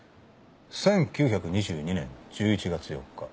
１９２２年１１月４日。